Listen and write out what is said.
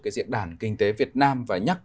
cái diễn đàn kinh tế việt nam và nhắc